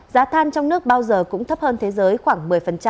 giá than trong nước bao giờ cũng thấp hơn thế giới khoảng một mươi